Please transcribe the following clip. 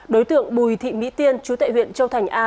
đối tượng bùi thị mỹ tiên chú tại huyện châu thành a